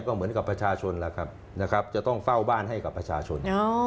ก็เหมือนกับประชาชนแล้วครับนะครับจะต้องเฝ้าบ้านให้กับประชาชน